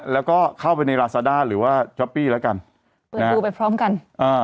แล้วก็เข้าไปในราซาด้าหรือว่าช้อปปี้แล้วกันเปิดดูไปพร้อมกันอ่า